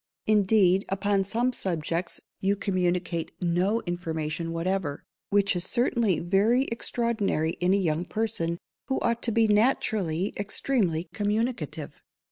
_ Indeed, upon some subjects, you communicate no information whatever, which is certainly very extraordinary in a young person, who ought to be naturally extremely communicative.